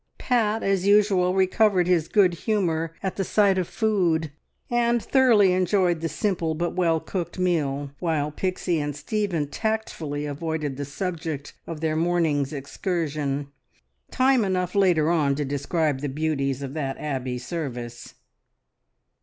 Pat, as usual, recovered his good humour at the sight of food, and thoroughly enjoyed the simple but well cooked meal, while Pixie and Stephen tactfully avoided the subject of their morning's excursion. Time enough later on to describe the beauties of that Abbey service!